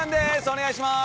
お願いします。